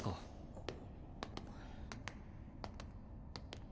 あっ。